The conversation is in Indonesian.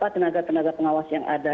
tenaga tenaga pengawas yang ada